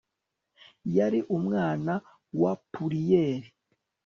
Yari umwana wa Pourrières